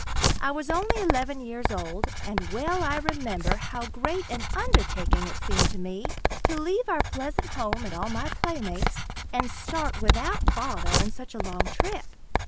I was only eleven years old, and well I remember how great an undertaking it seemed to me to leave our pleasant home and all my playmates and start without father on such a long trip.